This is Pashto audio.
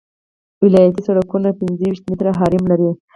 ولایتي سرکونه پنځه ویشت متره حریم لري